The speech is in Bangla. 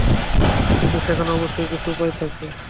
কিন্তু সেখানে অবশ্যই কিছু উপায় থাকবে।